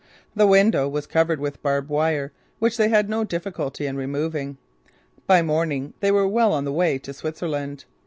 The window was covered with barbed wire which they had no difficulty in removing. By morning they were well on the way to Switzerland.